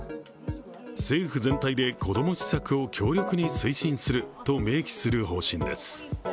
政府全体でこども施策を協力に推進すると明記する方針です。